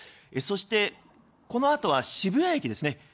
そして、このあとは渋谷駅ですね。